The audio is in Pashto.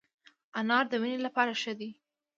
انار د وینې لپاره ښه دی